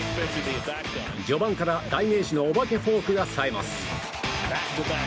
序盤から代名詞のお化けフォークが冴えます。